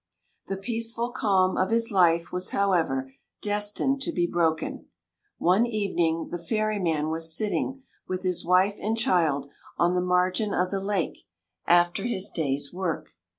The peaceful calm of his life was, however, destined to be broken. One evening the ferryman was sitting, with his wife and child, on the margin of the lake, after his day's work.